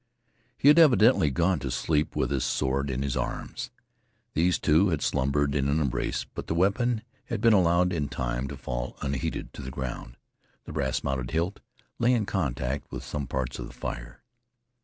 He had evidently gone to sleep with his sword in his arms. These two had slumbered in an embrace, but the weapon had been allowed in time to fall unheeded to the ground. The brass mounted hilt lay in contact with some parts of the fire.